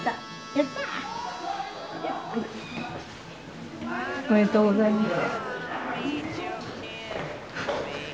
やった！おめでとうございます。